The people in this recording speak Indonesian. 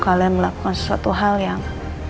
kalian melakukan sesuatu hal yang